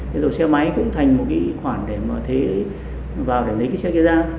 thế rồi xe máy cũng thành một khoản để lấy xe kia ra